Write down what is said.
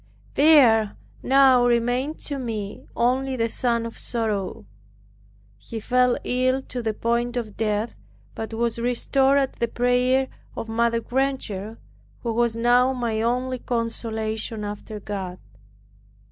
There now remained to me only the son of my sorrow. He fell ill to the point of death, but was restored at the prayer of Mother Granger who was now my only consolation after God.